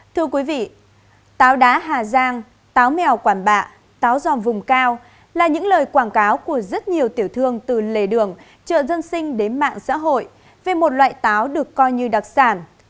thưa quý vị táo đá hà giang táo mèo quản bạ táo giòm vùng cao là những lời quảng cáo của rất nhiều tiểu thương từ lề đường chợ dân sinh đến mạng xã hội về một loại táo được coi như đặc sản